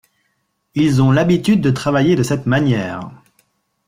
Ils ont l’habitude de travailler de cette manière.